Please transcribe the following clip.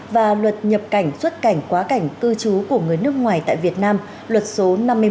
và luật nhập cảnh xuất cảnh quá cảnh cư trú của người nước ngoài tại việt nam luật số năm mươi một